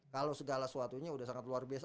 kalau segala sesuatunya sudah sangat luar biasa